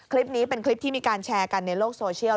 คลิปนี้เป็นคลิปที่มีการแชร์กันในโลกโซเชียล